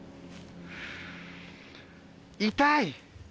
痛い！